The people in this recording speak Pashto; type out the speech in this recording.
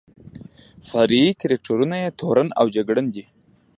فرعي کرکټرونه یې تورن او جګړن دي.